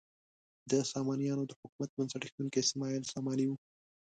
د سامانیانو د حکومت بنسټ ایښودونکی اسماعیل ساماني و.